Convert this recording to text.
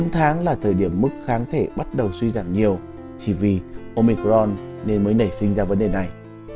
bốn tháng là thời điểm mức kháng thể bắt đầu suy giảm nhiều chỉ vì omicron nên mới nảy sinh ra vấn đề này